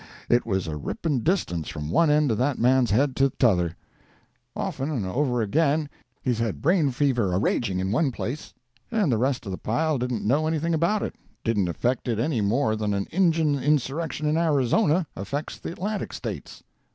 It was a ripping distance from one end of that man's head to t'other. Often and over again he's had brain fever a raging in one place, and the rest of the pile didn't know anything about it—didn't affect it any more than an Injun insurrection in Arizona affects the Atlantic States.